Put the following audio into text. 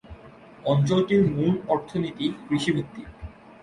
অঞ্চলটির মূল অর্থনীতি কৃষিভিত্তিক।